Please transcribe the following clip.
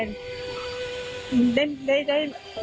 มันเป็นอาหารของพระราชา